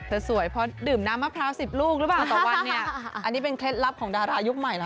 สวยเพราะดื่มน้ำมะพร้าว๑๐ลูกหรือเปล่าต่อวันเนี่ยอันนี้เป็นเคล็ดลับของดารายุคใหม่เหรอ